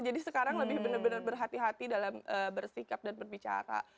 jadi sekarang lebih benar benar berhati hati dalam bersikap dan berbicara